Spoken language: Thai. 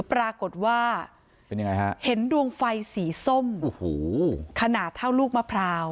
ปรากฏว่าเห็นดวงไฟสีส้มขนาดเท่าลูกมะพราว